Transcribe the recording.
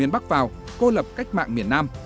bắt vào côi lập cách mạng miền nam